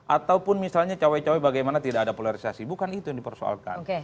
ataupun misalnya cawe cawe bagaimana tidak ada polarisasi bukan itu yang dipersoalkan